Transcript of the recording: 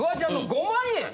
５万円！